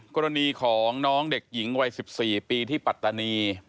กรณีของน้องเด็กหญิงวัย๑๔ปีที่ปัตตานี